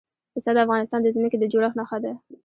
پسه د افغانستان د ځمکې د جوړښت نښه ده.